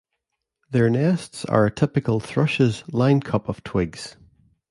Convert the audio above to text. Their nests are a typical thrush's lined cup of twigs.